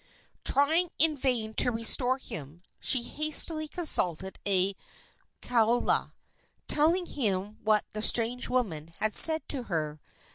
Trying in vain to restore him, she hastily consulted a kaula, telling him what the strange woman had said to her.